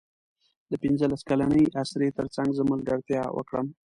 د پنځلس کلنې اسرې تر څنګ زه ملګرتیا وکړم.